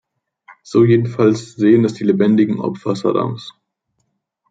So jedenfalls sehen es die lebendigen Opfer Saddams.